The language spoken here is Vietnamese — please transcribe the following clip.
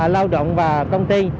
lao động và công ty